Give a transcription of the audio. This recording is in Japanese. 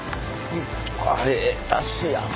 ええだしや。